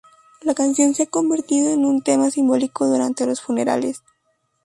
La canción se ha convertido en un tema simbólico durante los funerales.